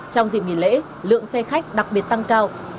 trong dịp nghỉ lễ lượng xe khách đặc biệt tăng cao